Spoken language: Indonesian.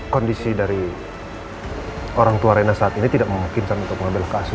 kondisi dari orang tua rena saat ini tidak memungkinkan untuk mengambil kasus